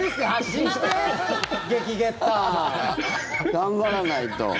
頑張らないと。